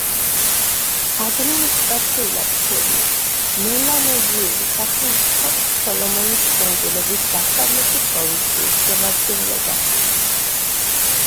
ადმინისტრაციულად შედის მელანეზიური სახელმწიფო სოლომონის კუნძულების დასავლეთი პროვინციის შემადგენლობაში.